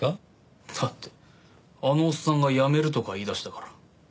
だってあのおっさんがやめるとか言い出したから。